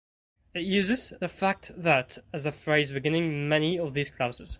It uses "the fact that" as the phrase beginning many of these clauses.